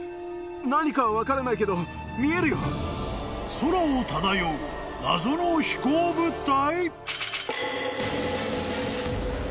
［空を漂う謎の飛行物体！？］